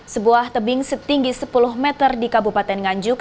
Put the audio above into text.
sebuah tebing setinggi sepuluh meter di kabupaten nganjuk